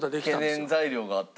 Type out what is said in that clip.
懸念材料があった？